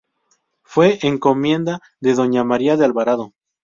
Fue encomienda de Doña María de Alvarado.